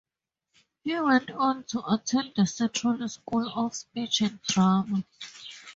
He went on to attend the Central School of Speech and Drama.